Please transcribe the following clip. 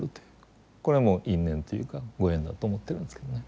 これはもう因縁というかご縁だと思ってるんですけどね。